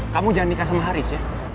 kamu jangan nikah sama haris ya